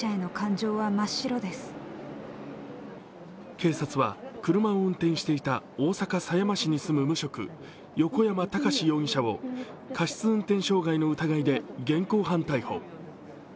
警察は、車を運転していた大阪狭山市に住む無職、横山孝容疑者を過失運転傷害の疑いで現行犯逮捕。